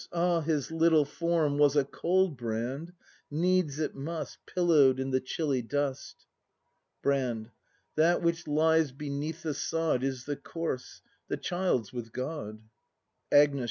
Ah, his Httle form Was a cold, Brand! Needs it must, Pillow'd in the chilly dust. Brand, That which lies beneath the sod Is the corse; the child's with God. Agnes.